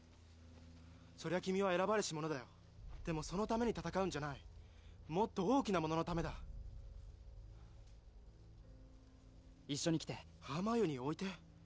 そりゃ君は選ばれし者だよでもそのために戦うんじゃないもっと大きなもののためだ一緒に来てハーマイオニーを置いて？